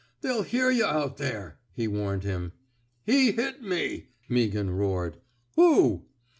They'll hear yuh out there/' he warned him. He hit me,'' Meaghan roared. '' Who!